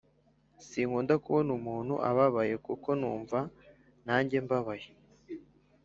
Sinkunda kubona umuntu ababaye kuko numva nanjye mbabaye